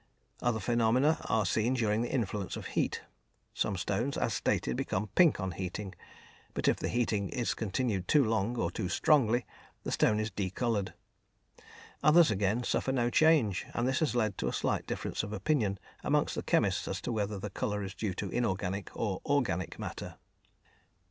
Other phenomena are seen during the influence of heat. Some stones, as stated, become pink on heating, but if the heating is continued too long, or too strongly, the stone is decoloured. Others, again, suffer no change, and this has led to a slight difference of opinion amongst chemists as to whether the colour is due to inorganic or organic matter.